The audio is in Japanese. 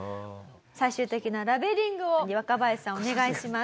最終的なラベリングを若林さんお願いします。